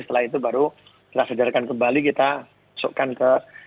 setelah itu baru kita sederhkan kembali kita masukkan ke